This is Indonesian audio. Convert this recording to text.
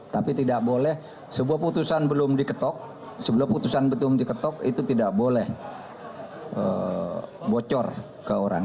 tapi tidak boleh sebuah putusan belum diketok sebelum putusan belum diketok itu tidak boleh bocor ke orang